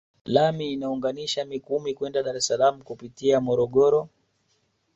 Lami inaunganisha Mikumi kwenda Dar es Salaam kupitia Morogoro